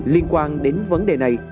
liên quan đến vấn đề này